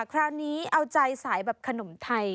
คราวนี้เอาใจสายแบบขนมไทย